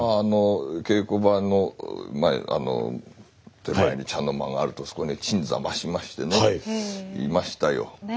稽古場の手前に茶の間があるとそこに鎮座ましましてねいましたよ。